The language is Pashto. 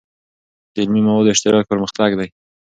د علمي موادو اشتراک پرمختګ دی.